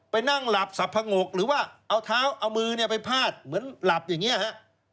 นั่งหลับสับผงกหรือว่าเอาเท้าเอามือเนี่ยไปพาดเหมือนหลับอย่างนี้ฮะ